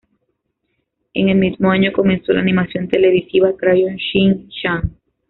En el mismo año comenzó la animación televisiva ""Crayon Shin-chan"".